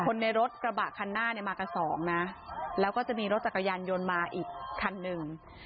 คนในรถกระบะคันหน้าเนี่ยมากันสองนะแล้วก็จะมีรถจักรยานยนต์มาอีกคันหนึ่ง